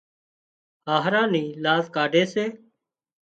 هاهرا نِي لاز ڪاڍي سي